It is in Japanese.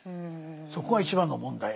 そこが一番の問題ですね。